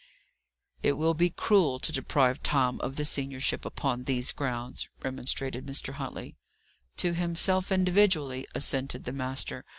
"It will be cruel to deprive Tom of the seniorship upon these grounds," remonstrated Mr. Huntley. "To himself individually," assented the master.